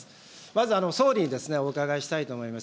まず総理にお伺いしたいと思います。